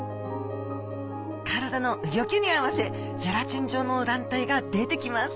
体のうギョきに合わせゼラチン状の卵帯が出てきます